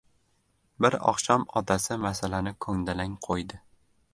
Bir oqshom otasi masalani ko‘ndalang qo‘ydi: